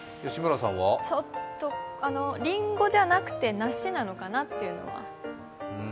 りんごじゃなくて梨なのかなっていうのは。